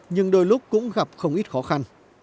nhưng đôi lúc cũng gặp không ít khó khăn